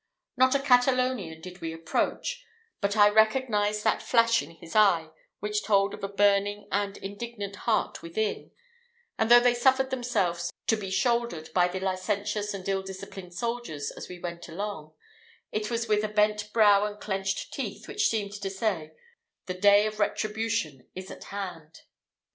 Not a Catalonian did we approach, but I recognised that flash in his eye, which told of a burning and indignant heart within; and though they suffered themselves to be shouldered by the licentious and ill disciplined soldiers as we went along, it was with a bent brow and clenched teeth, which seemed to say, "The day of retribution is at hand!"